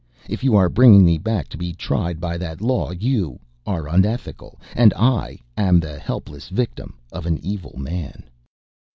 If you are bringing me back to be tried by that law you are unethical, and I am the helpless victim of an evil man."